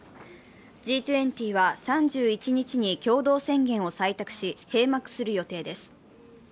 Ｇ２０は３１日に共同宣言を採択し、閉幕する予定です。